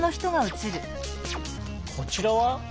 こちらは？